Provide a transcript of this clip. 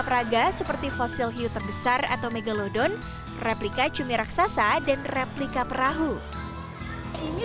peraga seperti fosil hiu terbesar atau megalodon replika cumi raksasa dan replika perahu ini